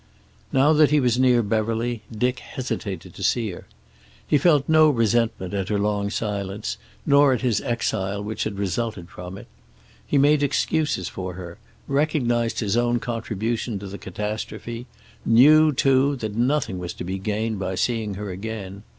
Now that he was near Beverly, Dick hesitated to see her. He felt no resentment at her long silence, nor at his exile which had resulted from it. He made excuses for her, recognized his own contribution to the catastrophe, knew, too, that nothing was to be gained by seeing her again.